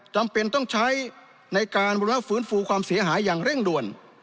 จำเป็นต้องใช้ในการบุรณฟื้นฟูความเสียหายอย่างเร่งด่วน